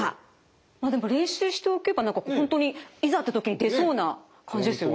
まあでも練習しておけば何か本当にいざって時に出そうな感じですよね。